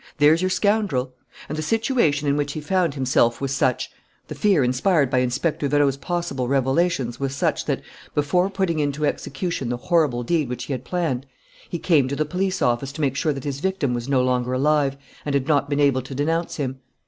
"There's your scoundrel. And the situation in which he found himself was such, the fear inspired by Inspector Vérot's possible revelations was such, that, before putting into execution the horrible deed which he had planned, he came to the police office to make sure that his victim was no longer alive and had not been able to denounce him.